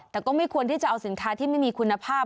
แต่ก็ไม่ควรที่จะเอาสินค้าที่ไม่มีคุณภาพ